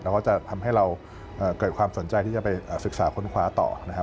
แล้วก็จะทำให้เราเกิดความสนใจที่จะไปศึกษาค้นคว้าต่อนะครับ